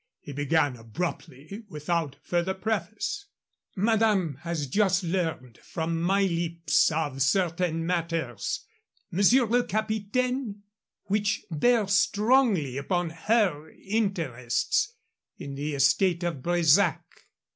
He began abruptly, without further preface: "Madame has just learned from my lips of certain matters, Monsieur le Capitaine, which bear strongly upon her interests in the estate of Bresac.